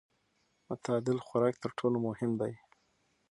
متعادل خوراک تر ټولو مهم دی.